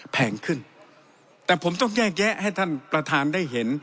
แพงขึ้นแต่ผมต้องแยกแยะให้ท่านประธานได้เห็น